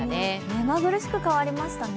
目まぐるしく変わりましたね。